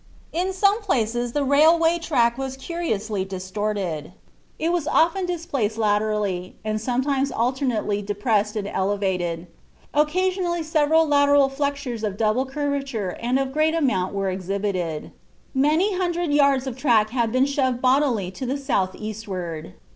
In some places the railway track was curiously distorted. "It was often displaced laterally, and sometimes alternately depressed and elevated. Occasionally several lateral flexures of double curvature and of great amount were exhibited. Many hundred yards of track had been shoved bodily to the south eastward."